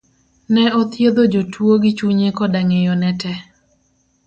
ne othiedho jotuo gi chunye kode ng'eyo ne tee.